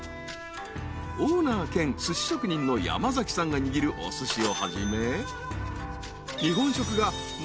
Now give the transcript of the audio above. ［オーナー兼すし職人の山崎さんが握るおすしをはじめ］